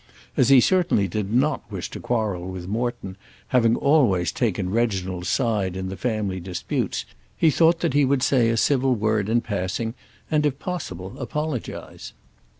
As he certainly did not wish to quarrel with Morton, having always taken Reginald's side in the family disputes, he thought that he would say a civil word in passing, and, if possible, apologise.